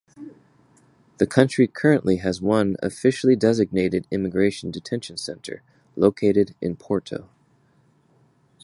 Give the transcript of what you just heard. The country currently has one officially designated immigration detention centre, located in Porto.